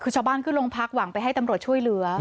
คือชาวบ้านขึ้นลงพักหวังไปให้ตำรวจช่วยเหลือ